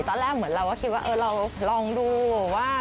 ตอนแรกเหมือนเราก็คิดว่าเราลองดูว่า